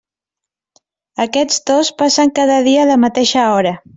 Aquests dos passen cada dia a la mateixa hora.